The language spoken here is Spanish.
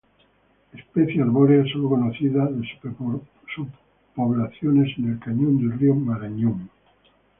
Especie arbórea solo conocida de subpoblaciones en el cañón del río Marañón.